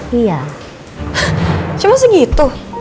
hah cuma segitu